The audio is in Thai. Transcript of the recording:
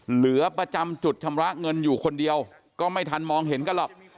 เหลือประจำจุดชำระเงินอยู่คนเดียวก็ไม่ทันมองเห็นกันหรอก